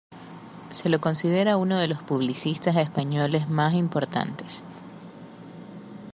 Se le considera uno de los publicistas españoles más importantes.